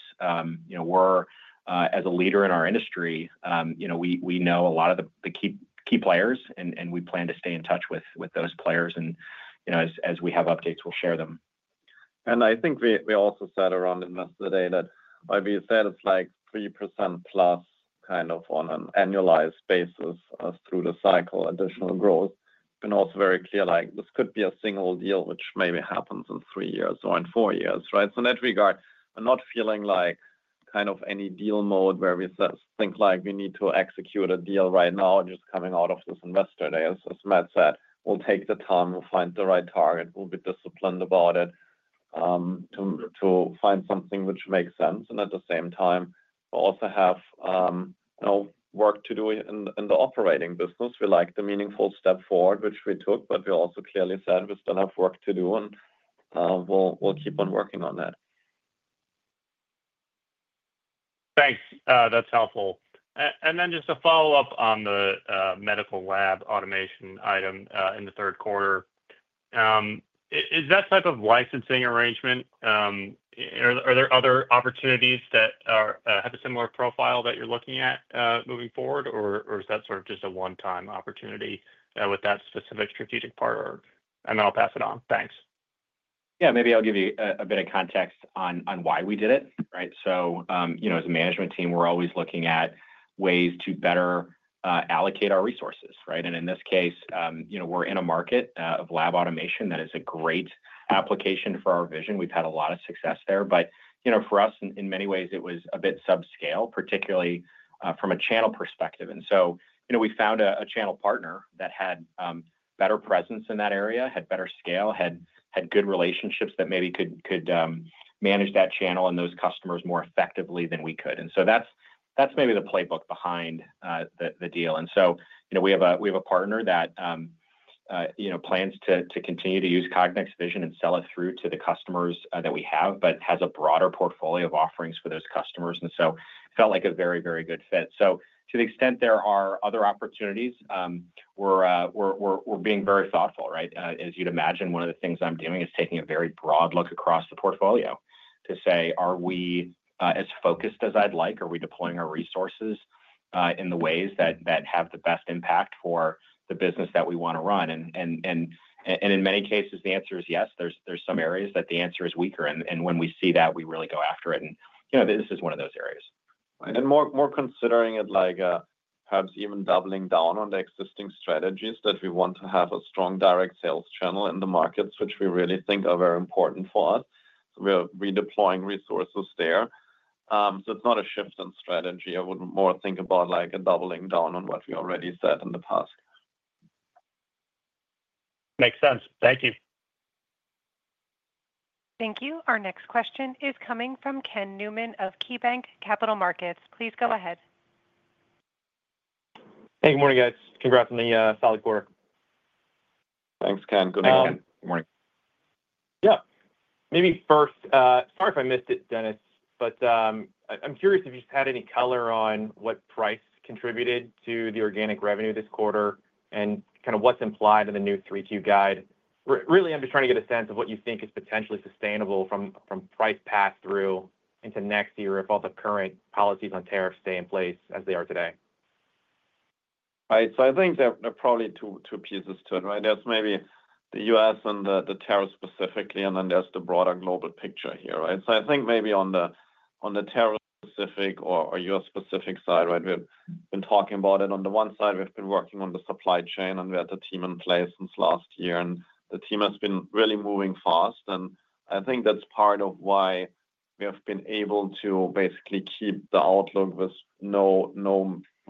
As a leader in our industry, we know a lot of the key players and we plan to stay in touch with those players and as we have updates, we'll share them. I think we also said around Investor Day that we said it's like 3%+, kind of on an annualized basis through the cycle, additional growth. It is also very clear this could be a single deal which maybe happens in three years or in four years. In that regard, I'm not feeling like any deal mode where we think we need to execute a deal right now. Just coming out of this Investor Day, as Matt said, we'll take the time, we'll find the right target, we'll be disciplined about it to find something which makes sense and at the same time also have work to do in the operating business. We like the meaningful step forward which we took, but we also clearly said we still have work to do and we'll keep on working on that. Thanks, that's helpful. Just a follow up on the medical lab automation item in the third quarter. Is that type of licensing arrangement, are there other opportunities that have a similar profile that you're looking at moving forward or is that sort of just a one time opportunity with that specific strategic part? I'll pass it on. Thanks. Maybe I'll give you a bit of context on why we did it. As a management team, we're always looking at ways to better allocate our resources. In this case, we're in a market of lab automation that is a great application for our vision. We've had a lot of success there. For us, in many ways it was a bit subscale, particularly from a channel perspective. We found a channel partner that had better presence in that area, had better scale, had good relationships that maybe could manage that channel and those customers more effectively than we could. That's maybe the playbook behind the deal. We have a partner that plans to continue to use Cognex vision and sell it through to the customers that we have, but has a broader portfolio of offerings for those customers and felt like a very, very good fit. To the extent there are other opportunities, we're being very thoughtful. As you'd imagine, one of the things I'm doing is taking a very broad look across the portfolio to say, are we as focused as I'd like? Are we deploying our resources in the ways that have the best impact for the business that we want to run? In many cases, the answer is yes. There are some areas that the answer is weaker, and when we see that, we really go after it. This is one of those areas. We are considering it like perhaps even doubling down on the existing strategies that we want to have a strong direct sales channel in the markets, which we really think are very important for us. We are redeploying resources there. It is not a shift in strategy. I would more think about it like a doubling down on what we already said in the past. Makes sense. Thank you. Thank you. Our next question is coming from Ken Newman of KeyBanc Capital Markets. Please go ahead. Hey, good morning, guys. Congrats on the solid quarter. Thanks, Ken. Good morning. Maybe first. Sorry if I missed it, Dennis, but I'm curious if you just had any color on what price contributed to the organic revenue this quarter and what's implied in the new 3Q guide, really. I'm just trying to get a sense of what you think is potentially sustainable from price pass through into next year if all the current policies on tariffs stay in place as they are today. I think there are probably two pieces to it. Right. There's maybe the U.S. and the tariff specifically, and then there's the broader global picture here. I think maybe on the tariff specific or your specific side. Right. We've been talking about it on the one side, we've been working on the supply chain and we had the team in place since last year and the team has been really moving fast. I think that's part of why we have been able to basically keep the outlook with no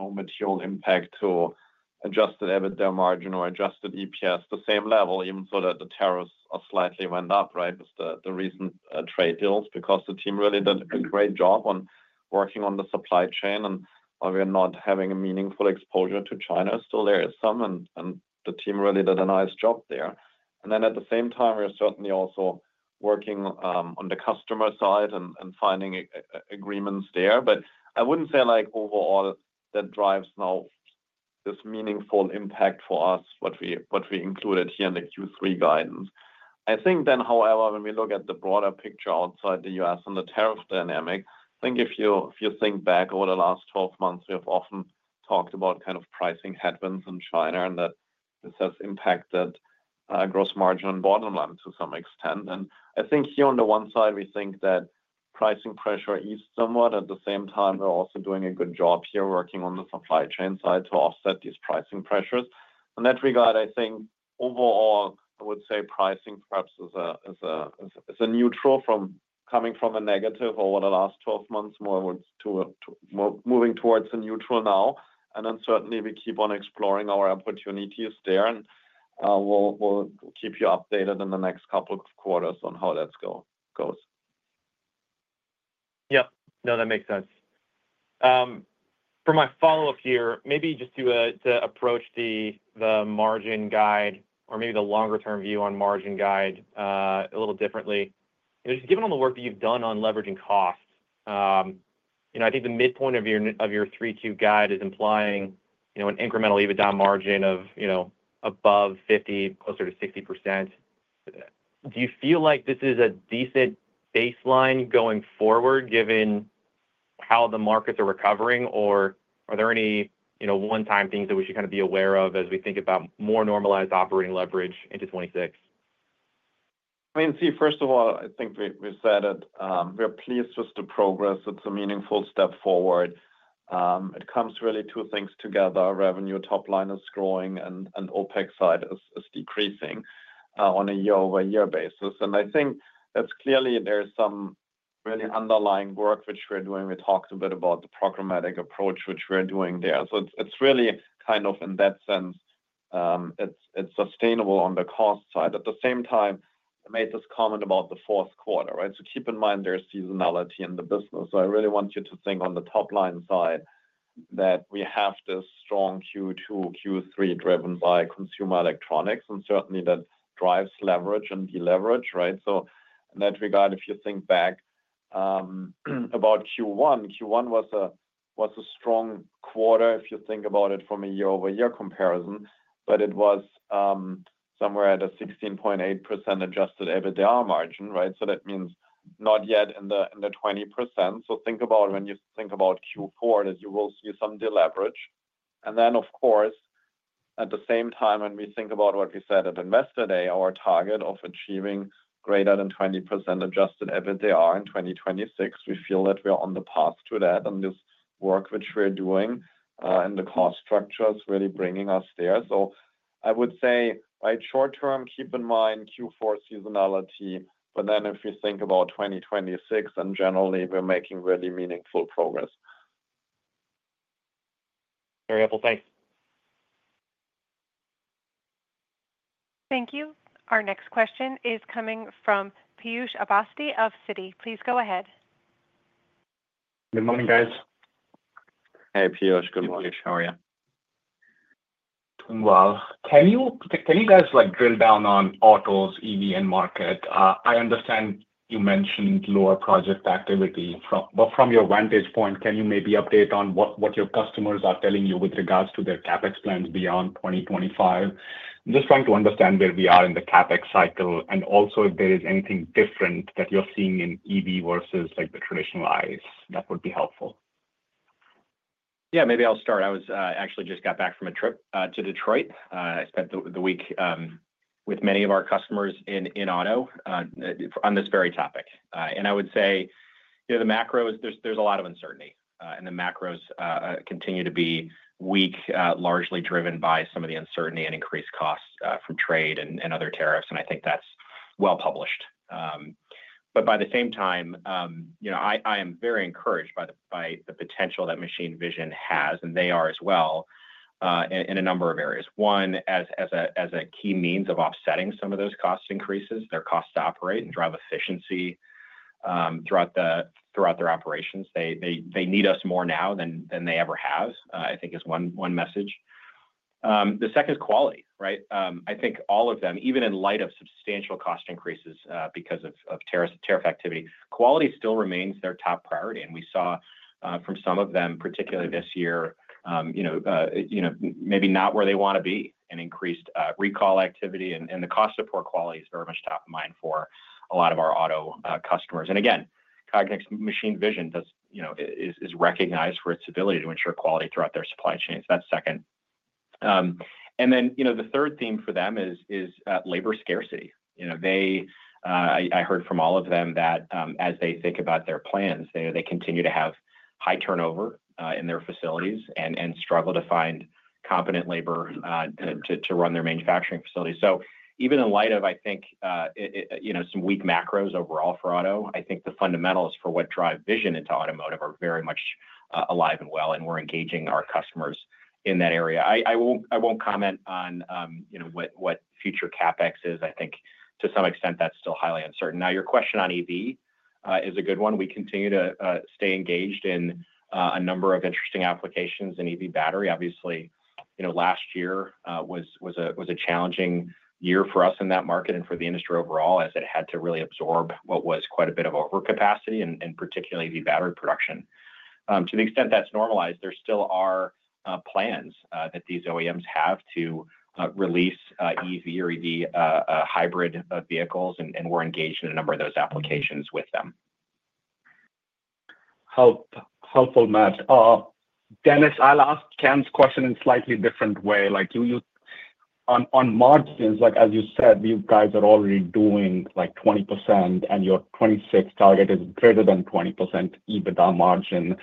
material impact to adjusted EBITDA margin or adjusted EPS at the same level, even though the tariffs slightly went up. The recent trade deals, because the team really did a great job on working on the supply chain and we are not having a meaningful exposure to China. Still, there is some and the team really did a nice job there and at the same time we're certainly also working on the customer side and finding agreements there. I wouldn't say like overall that drives now this meaningful impact for us. What we included here in the Q3 guidance. I think then, however, when we look at the broader picture outside the U.S. and the tariff dynamic, if you think back over the last 12 months, we have often talked about kind of pricing headwinds in China and that this has impacted gross margin on bottom line to some extent. I think here on the one side we think that pricing pressure eased somewhat. At the same time we're also doing a good job here working on the supply chain side to offset these pricing pressures. In that regard, I think overall I would say pricing perhaps is neutral from coming from a negative over the last 12 months, moving towards a neutral now. Certainly we keep on exploring our opportunities there and we'll keep you updated in the next couple of quarters on how that goes. Yep. No, that makes sense for my follow-up here. Maybe just to approach the margin guide or maybe the longer-term view on margin guide a little differently, just given all the work that you've done on leveraging costs. I think the midpoint of your 3Q guide is implying an incremental EBITDA margin of above 50%, closer to 60%. Do you feel like this is a decent baseline going forward given how the markets are recovering, or are there any one-time things that we should kind of be aware of as we think about more normalized operating leverage into 2026? First of all, I think we said it, we're pleased with the progress. It's a meaningful step forward. It comes really two things together. Revenue top line is growing and OpEx side is decreasing on a year-over-year basis. I think that's clearly there's some really underlying work which we're doing. We talked a bit about the programmatic approach which we're doing there. It's really kind of in that sense it's sustainable on the cost side at the same time I made this comment about the fourth quarter. Right. Keep in mind there's seasonality in the business. I really want you to think on the top line side that we have this strong Q2, Q3 driven by consumer electronics and certainly that drives leverage and deleverage. In that regard, if you think back about Q1, Q1 was a strong quarter if you think about it from a year-over-year comparison. It was somewhere at a 16.8% adjusted EBITDA margin. That means not yet in the 20%. Think about when you think about Q4 that you will see some deleverage. Of course at the same time, when we think about what we said at Investor Day, our target of achieving greater than 20% adjusted EBITDA in 2026, we feel that we are on the path to that. This work which we're doing and the cost structure is really bringing us there. I would say short term, keep in mind Q4 seasonality. If we think about 2026 and generally we're making really meaningful progress. Very helpful, thanks. Thank you. Our next question is coming from Piyush Avasthy of Citi. Please go ahead. Good morning, guys. Hey Piyush. Good morning. How are you doing? Can you guys drill down on autos, EV and market? I understand you mentioned lower project activity. From your vantage point, can you maybe update on what your customers are seeing? Are they telling you with regards to their CapEx plans beyond 2025? I'm just trying to understand where we are are in the CapEx cycle. If there is anything different that you're seeing in EV vs like the traditional eyes, that would be helpful. Maybe I'll start. I actually just got back from a trip to Detroit. I spent the week with many of our customers in auto on this very topic. I would say the macros, there's a lot of uncertainty and the macros continue to be weak, largely driven by some of the uncertainty and increased costs from trade and other tariffs. I think that's well published. At the same time, I am very encouraged by the potential that machine vision has and they are as well in a number of areas. One, as a key means of offsetting some of those cost increases, their cost to operate and drive efficiency throughout their operations. They need us more now than they ever have, I think is one message. The second is quality. Right. I think all of them, even in light of substantial cost increases because of tariff activity, quality still remains their top priority, and we saw from some of them, particularly this year, maybe not where they want to be and increased recall activity, and the cost to support quality is very much top of mind for a lot of our auto customers. Cognex's machine vision is recognized for its ability to ensure quality throughout their supply chains. That's second. The third theme for them is labor scarcity. I heard from all of them that as they think about their plans, they continue to have high turnover in their facilities and struggle to find competent labor to run their manufacturing facilities. Even in light of some weak macros overall for auto, I think the fundamentals for what drive vision into automotive are very much alive and well, and we're engaging our customers in that area. I won't comment on what future CapEx is. To some extent that's still highly uncertain. Your question on evidence is a good one. We continue to stay engaged in a number of interesting applications in EV battery. Obviously, last year was a challenging year for us in that market and for the industry overall as it had to really absorb what was quite a bit of overcapacity, and particularly the battery production to the extent that's normalized. There still are plans that these OEMs have to release EV or EV hybrid vehicles, and we're engaged in a number of those applications with them. Helpful, Matt? Dennis, I'll ask Ken's question in a slightly different way. Like you use on margins, like as you said, you guys are already doing. Like 20% and your 2026 target is greater than 20% EBITDA margin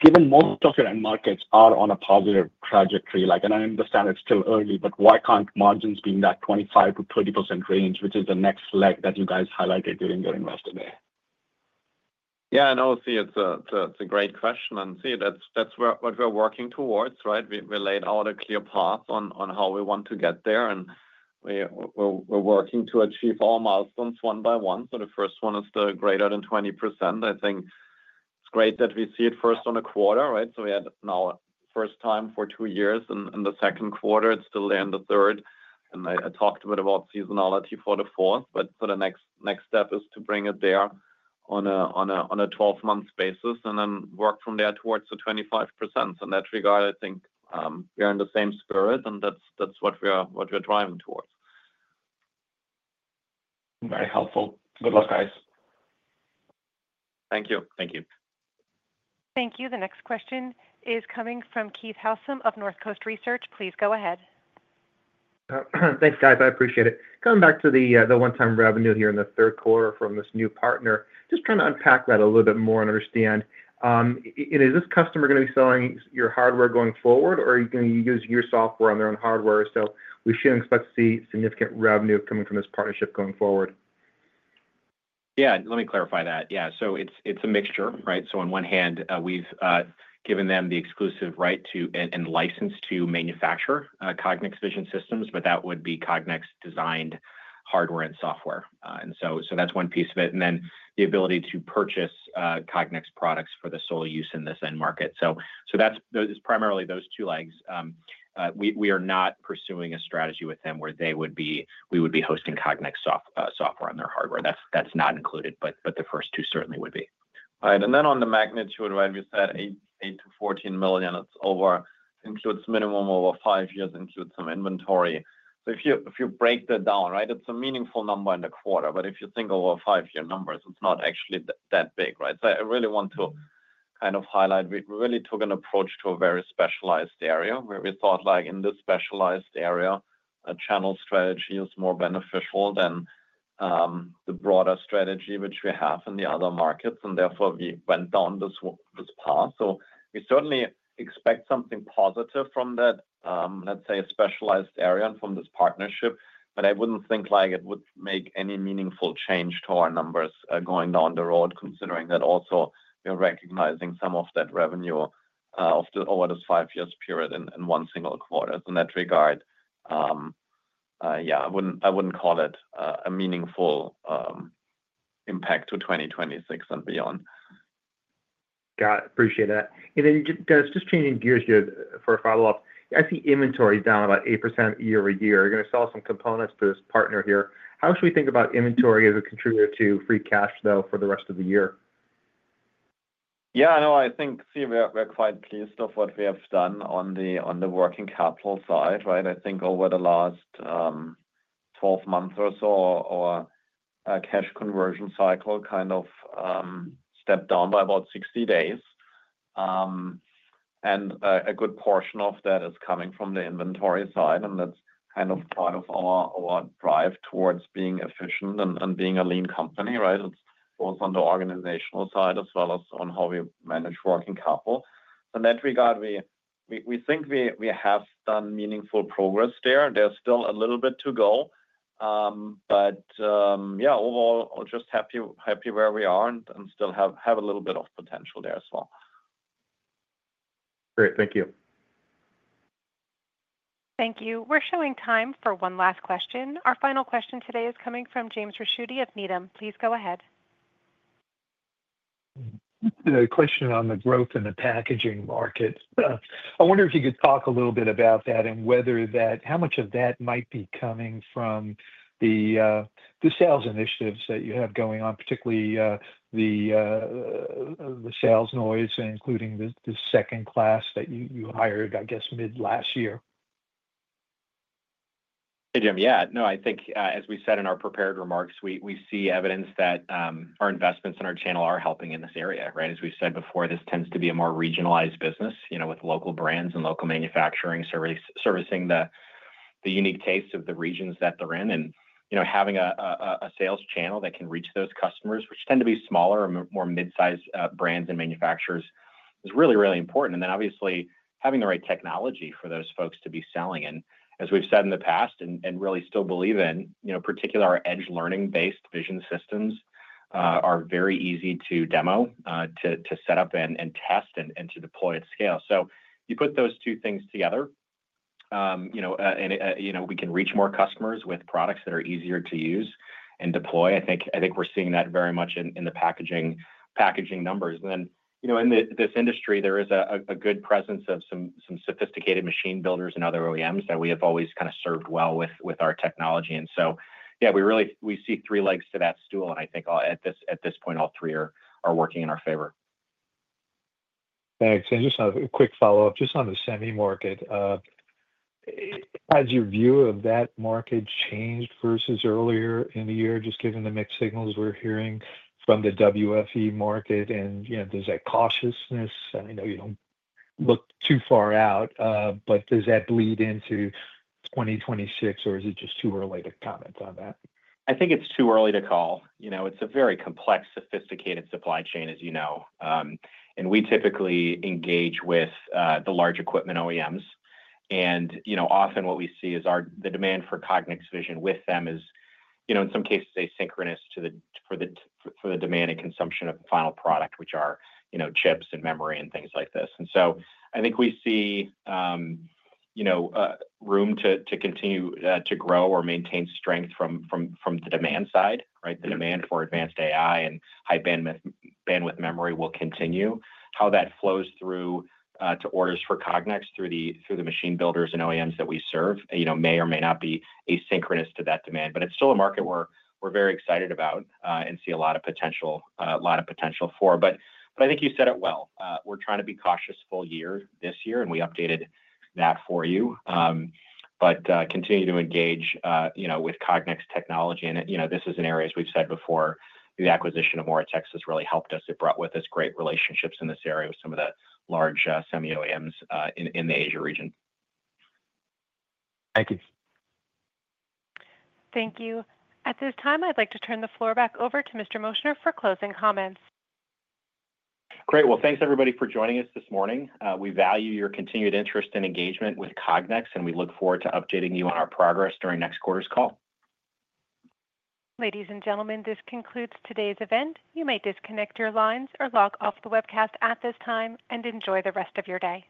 given most. If your end markets are on a positive trajectory, like I understand it's still early, but why can't margins be? In that 25%-30% range, which is the next leg that you guys highlighted during your Investor day. Yeah, I know. It's a great question. That's what we're working towards, right? We laid out a clear path on how we want to get there, and we're working to achieve all milestones one by one. The first one is the greater than 20%. I think it's great that we see it first on a quarter. We had now first time for two years, and the second quarter it's still there in the third. I talked a bit about seasonality for the fourth, but the next step is to bring it there on a 12-month basis and then work from there towards the 25%. In that regard, I think we are in the same spirit, and that's what we're driving towards. Very helpful. Good luck guys. Thank you. Thank you. Thank you. The next question is coming from Keith Howson of North Coast Research. Please go ahead. Thanks, guys. I appreciate it. Coming back to the one-time revenue here in the third quarter from this new partner. Just trying to unpack that a little. Bit more and understand is this customer going to be selling your hardware going forward or are you going to use your software on their own hardware? We shouldn't expect to see significant revenue coming from this partnership going forward. Let me clarify that. It's a mixture, right? On one hand we've given them the exclusive right to and license to manufacture Cognex Vision systems. That would be Cognex designed hardware and software, and that's one piece of it. Then the ability to purchase Cognex products for the sole use in this end market. It's primarily those two legs. We are not pursuing a strategy with them where we would be hosting Cognex software on their hardware. That's not included. The first two certainly would be. On the magnitude, we said $18.8 million to $14 million. It's over, includes minimum over five years, includes some inventory. If you break that down, it's a meaningful number in the quarter. If you think over five-year numbers, it's not actually that big. I really want to highlight, we really took an approach to a very specialized area where we thought in this specialized area a channel strategy is more beneficial than the broader strategy which we have in the other markets. Therefore, we went down this path. We certainly expect something positive from that, let's say a specialized area and from this partnership. I wouldn't think it would make any meaningful change to our numbers going down the road, considering that also we are recognizing some of that revenue over this five-year period in one single quarter in that regard. I wouldn't call it a meaningful impact to 2026 and beyond. Got it. Appreciate that. Just changing gears here for a follow up. I see inventory down about 8% year-over-year. You're going to sell some components to this partner here. How should we think about inventory as a contributor to free cash flow for the rest of the year? Yeah, no, I think we're quite pleased with what we have done on the working capital side. I think over the last 12 months or so our cash conversion cycle kind of stepped down by about 60 days, and a good portion of that is coming from the inventory side. That's part of our drive towards being efficient and being a lean company. It's both on the organizational side as well as on how we manage working capital so that we think we have done meaningful progress there. There's still a little bit to go, but overall just happy where we are and still have a little bit of potential there as well. Great, thank you. Thank you. We're showing time for one last question. Our final question today is coming from James Ricchiuti of Needham. Please go. The question on the growth in the packaging market, I wonder if you could talk a little bit about that and whether that, how much of that might be coming from the sales initiatives that you have going on, particularly the sales noise, including the second class that you hired I guess mid last year. Hey Jim. Yeah, no, I think as we said in our prepared remarks, we see evidence that our investments in our channel are helping in this area. Right. As we tend to be a more regionalized business with local brands and local manufacturing servicing the unique tastes of the regions that they're in, having a sales channel that can reach those customers, which tend to be smaller, more mid-sized brands and manufacturers, is really, really important. Obviously, having the right technology for those folks to be selling is key. As we've said in the past and really still believe, in particular, our edge learning based vision systems are very easy to demo, to set up and test, and to deploy at scale. You put those two things together, we can reach more customers with products that are easier to use and deploy. I think we're seeing that very much in the packaging numbers in this industry. There is a good presence of some sophisticated machine builders and other OEMs that we have always served well with our technology. We really see three legs to that stool, and I think at this point all three are working in our favor. Thanks. Just a quick follow up. On the semiconductor markets. Has your view. Has that market changed vs earlier in the year just given the mixed signals we're hearing from the WFE market? There's that cautiousness. I know you don't look too far out, but does that bleed into 2026 or is it just too early to comment on that? I think it's too early to call. It's a very complex, sophisticated supply chain, as you know, and we typically engage with the large equipment OEMs. Often what we see is the demand for Cognex vision with them is, in some cases, asynchronous to the demand and consumption of the final product, which are chips and memory and things like this. I think we see room to continue to grow or maintain strength from the demand side. The demand for advanced AI and high bandwidth memory will continue. How that flows through to orders for Cognex through the machine builders and OEMs that we serve may or may not be asynchronous to that demand, but it's still a market we're very excited about and see a lot of potential for. I think you said it well. We're trying to be cautious. Full year this year and we updated that for you. Continue to engage with Cognex technology. This is an area, as we've said before, the acquisition of Moratex has really helped us. It brought with us great relationships in this area with some of the large semi OEMs in the Asia region. Thank you. Thank you. At this time, I'd like to turn the floor back over to Mr. Moschner for closing comments. Great. Thank you everybody for joining us this morning. We value your continued interest and engagement with Cognex, and we look forward to updating you on our progress during next quarter's call. Ladies and gentlemen, this concludes today's event. You may disconnect your lines or log off the webcast at this time and enjoy the rest of your day.